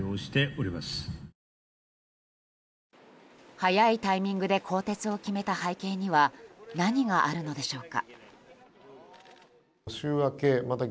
早いタイミングで更迭を決めた背景には何があるのでしょうか。